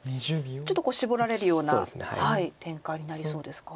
ちょっとシボられるような展開になりそうですか。